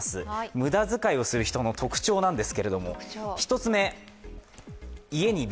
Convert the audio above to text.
無駄遣いをする人の特徴です。